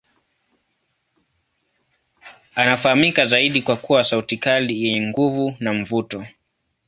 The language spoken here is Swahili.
Anafahamika zaidi kwa kuwa sauti kali yenye nguvu na mvuto.